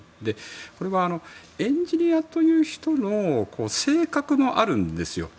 これはエンジニアという人の性格もあるんですよ。